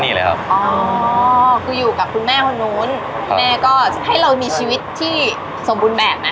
มีขอเสนออยากให้แม่หน่อยอ่อนสิทธิ์การเลี้ยงดู